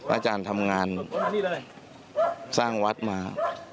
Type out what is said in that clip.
อาจารย์ทำงานสร้างวัดมา